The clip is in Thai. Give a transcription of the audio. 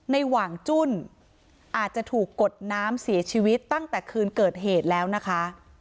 หว่างจุ้นอาจจะถูกกดน้ำเสียชีวิตตั้งแต่คืนเกิดเหตุแล้วนะคะ